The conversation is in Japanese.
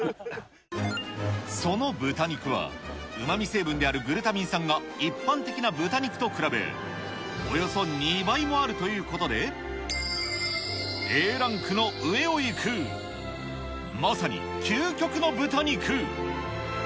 その豚肉は、うまみ成分であるグルタミン酸が一般的な豚肉と比べ、およそ２倍もあるということで、Ａランクの上を行く、まさに究極の豚肉。